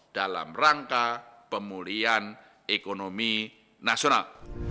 dalam rangka pemulihan ekonomi nasional